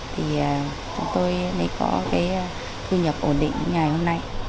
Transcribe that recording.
thì chúng tôi mới có cái thu nhập ổn định như ngày hôm nay